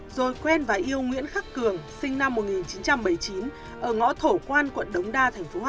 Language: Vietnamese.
rồi quen và yêu nguyễn khắc cường sinh năm một nghìn chín trăm bảy mươi chín ở ngõ thổ quan quận đống đa tp hcm